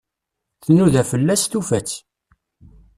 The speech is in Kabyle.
Tnuda fell-as, tufa-tt.